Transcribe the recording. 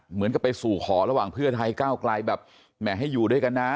เหมือนกับไปสู่ขอระหว่างเพื่อไทยก้าวไกลแบบแหมให้อยู่ด้วยกันนะ